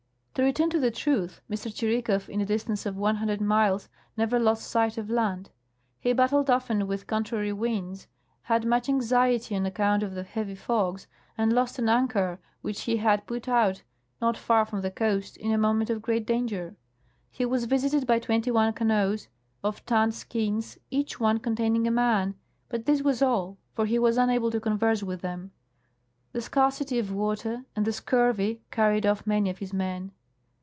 To return to the truth, M. Tschirikow, in a distance of one hunth ed miles, never lost sigiit of land ; he battled often with con trary Avinds, had much anxiety on account of the heavy fogs, and lost an anchor which he liad put out, not far from the coast, in a moment of great danger. He was visited by twenty one canoes, of tanned skins, each one containing a man; but this was all — for he was unable to converse with them. The scarcity of water and the scurvy carried off many of his men.